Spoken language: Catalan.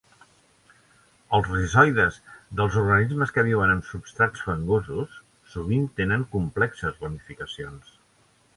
Els rizoides dels organismes que viuen en substrats fangosos sovint tenen complexes ramificacions.